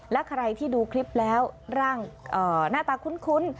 และใครที่ดูคลิปแล้วร่างหน้าตาคุ้น